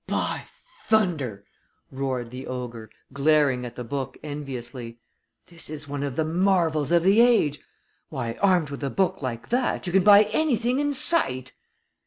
"By thunder!" roared the ogre, glaring at the book enviously. "This is one of the marvels of the age. Why, armed with a book like that you can buy anything in sight!"